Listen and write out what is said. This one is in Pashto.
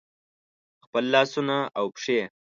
خپل لاسونه او پښې